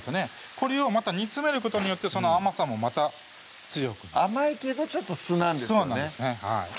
これをまた煮詰めることによってその甘さもまた強くなる甘いけどちょっと酢なんですよねそうなんですね